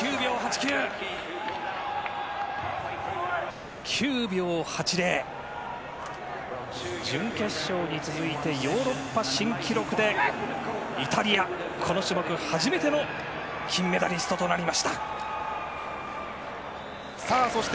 ９秒８０、準決勝に続いてヨーロッパ新記録でイタリアこの種目初めての金メダリストとなりました。